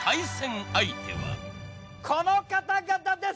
この方々です。